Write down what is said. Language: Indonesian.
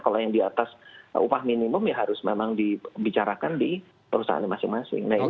kalau yang di atas upah minimum ya harus memang dibicarakan di perusahaan masing masing